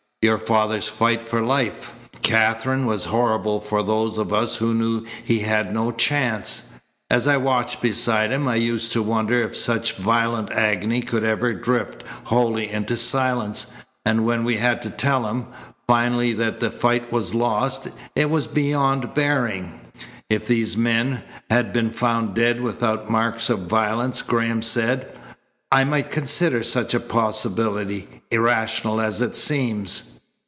Your father's fight for life, Katherine, was horrible for those of us who knew he had no chance. As I watched beside him I used to wonder if such violent agony could ever drift wholly into silence, and when we had to tell him finally that the fight was lost, it was beyond bearing." "If these men had been found dead without marks of violence," Graham said, "I might consider such a possibility, irrational as it seems."